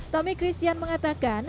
tommy christian mengatakan